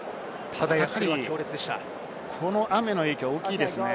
ただこの雨の影響大きいですね。